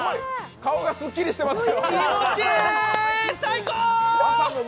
顔がすっきりしてますよ。